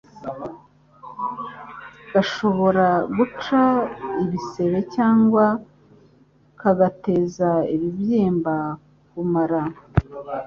gashobora guca ibisebe cyangwa kagateza ibibyimba ku mara.